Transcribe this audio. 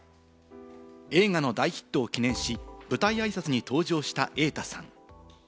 映画の大ヒットを記念し、舞台あいさつに登場した瑛太さん。